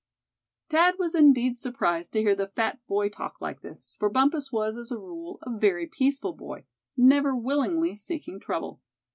Thad was indeed surprised to hear the fat boy talk like this, for Bumpus was, as a rule, a very peaceful boy, never willingly seeking trouble.